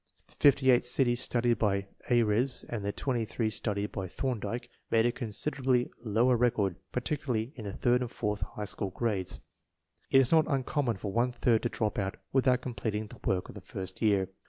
1 The 58 cities studied by Ayres and the 3 studied by Thorndike made a considerably lower record, particularly in the third and fourth high school grades. It is not uncommon for one third to drop out without completing the work of the first year.